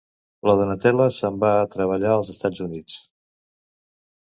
La Donatella se'n va a treballar als Estats Units.